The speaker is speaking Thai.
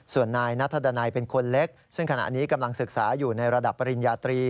ส่วนนายนัทดันัยเป็นคนเล็กซึ่งขณะนี้กำลังศึกษาอยู่ในระดับปริญญาตรี